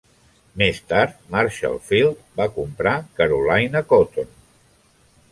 Més tard, Marshall Field va comprar Carolina Cotton.